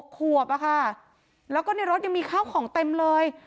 ขวบอะค่ะแล้วก็ในรถยังมีข้าวของเต็มเลย